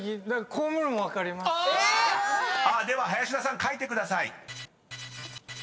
［では林田さん書いてください］